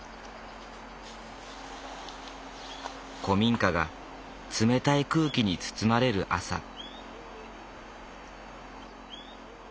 古民家が冷たい空気に包まれる朝。